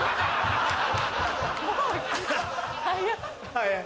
早い。